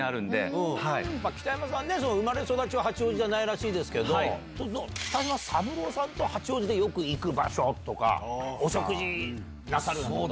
北山さんね、生まれ育ちは八王子じゃないらしいですけど、北島三郎さんと八王子でよく行く場所とか、お食事なさってる？